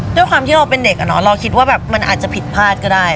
ด้วยความที่เราเป็นเด็กเราคิดว่าแบบมันอาจจะผิดพลาดก็ได้